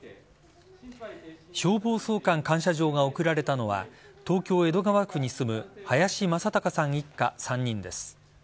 消防総監感謝状が贈られたのは東京・江戸川区に住む林正隆さん一家３人です。